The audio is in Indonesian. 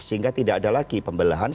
sehingga tidak ada lagi pembelahan